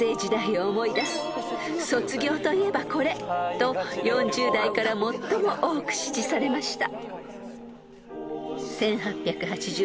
［と４０代から最も多く支持されました］